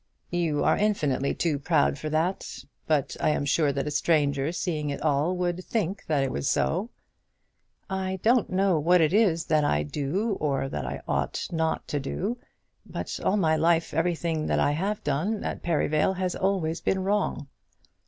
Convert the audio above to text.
"You are infinitely too proud for that; but I am sure that a stranger seeing it all would think that it was so." "I don't know what it is that I do or that I ought not to do. But all my life everything that I have done at Perivale has always been wrong."